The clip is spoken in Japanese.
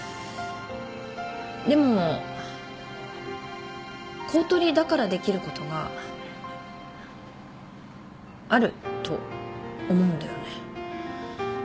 でも公取だからできることがあると思うんだよね。